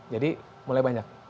jadi mulai banyak